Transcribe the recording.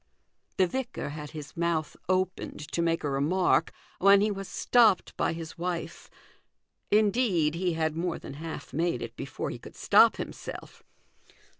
" The vicar had his mouth opened to make a remark when he was stopped by his wife ; indeed, he had more than half made it before 284 THE GOLDEN RULE. he could stop himself.